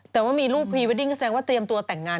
แต่ว่ามีรูปพรีเวดดิ้งก็แสดงว่าเตรียมตัวแต่งงาน